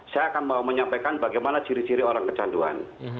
saya akan mau menyampaikan bagaimana ciri ciri orang kecanduan